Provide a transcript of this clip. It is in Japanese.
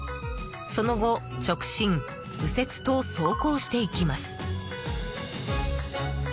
その後、直進、右折と走行していきます。